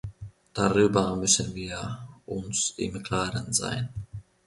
Darüber müssen wir uns im Klaren sein.